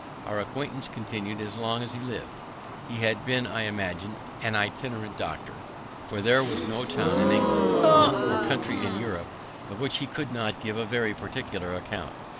Our acquaintance continu'd as long as he liv'd. He had been, I imagine, an itinerant doctor, for there was no town in England, or country in Europe, of which he could not give a very particular account.